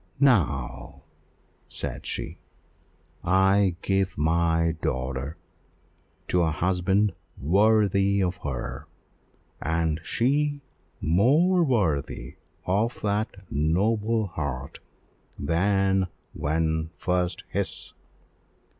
"Now," said she, "I give my daughter to a husband worthy of her, and she more worthy of that noble heart than when first his.